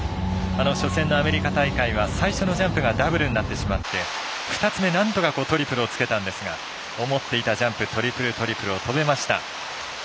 初戦のアメリカ大会は最初のジャンプがダブルになってしまって２つ目、なんとかトリプルをつけたんですが思っていたジャンプトリプル、トリプルを跳べました。